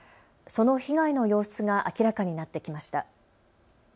その被害の様子が明らかになってきました。